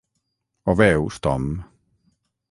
Ho veus, Tom?